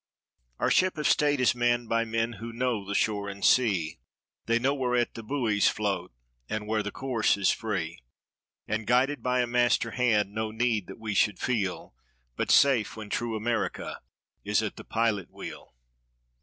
Our Ship of State is manned by men who know the shore and sea. They know whereat the buoys float and where the course is free; And guided by a master hand, no need that we should feel But safe when true America is at the pilot wheel.